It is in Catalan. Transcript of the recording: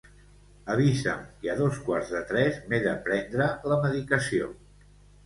Avisa'm que a dos quarts de tres m'he de prendre la medicació.